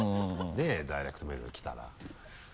ねぇダイレクトメールが来たら。